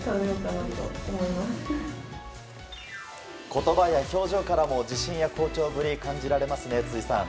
言葉や表情からも自信や好調ぶりが感じられますね、辻さん。